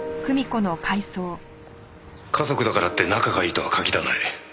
家族だからって仲がいいとは限らない。